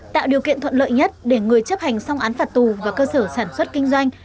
tạo điều kiện thuận lợi nhất để người chấp hành xong án phạt tù và cơ sở sản xuất kinh doanh